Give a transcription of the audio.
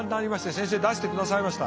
先生出してくださいました。